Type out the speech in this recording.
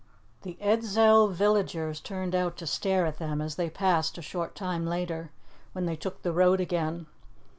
The Edzell villagers turned out to stare at them as they passed a short time later, when they took the road again.